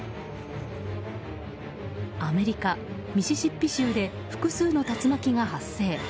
アメリカ・ミシシッピ州で複数の竜巻が発生。